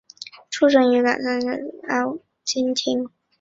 出身于冈山县御津郡御津町。